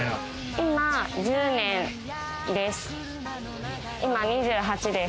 今１０年です。